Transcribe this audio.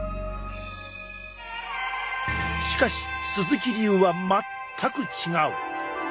しかし鈴木流は全く違う！